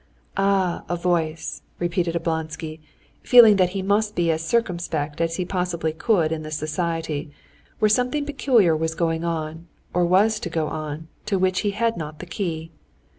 "Ah, a voice!" repeated Oblonsky, feeling that he must be as circumspect as he possibly could in this society, where something peculiar was going on, or was to go on, to which he had not the key.